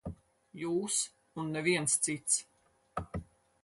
Jūs un neviens cits.